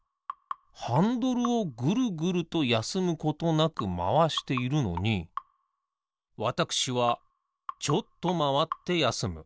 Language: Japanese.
ハンドルをぐるぐるとやすむことなくまわしているのにわたくしはちょっとまわってやすむ。